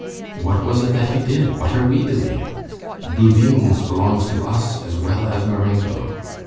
What was it that he did? What are we doing? Bouvines belongs to us as well as Marengo.